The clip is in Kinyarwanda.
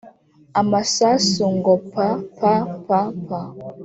Amasasu ngo papapapa